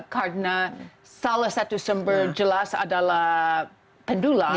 karena salah satu sumber jelas adalah pendula